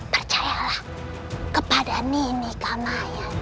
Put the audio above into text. percayalah kepada nini kamayan